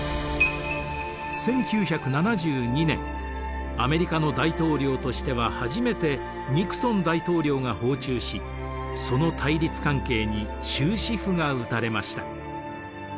１９７２年アメリカの大統領としては初めてニクソン大統領が訪中しその対立関係に終止符が打たれました。